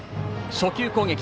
初球攻撃。